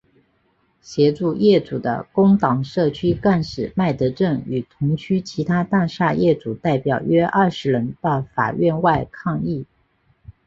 协助业主的工党社区干事麦德正与同区其他大厦业主代表约二十人到法院外抗议。